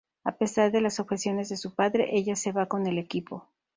A pesar de las objeciones de su padre, ella se va con el equipo.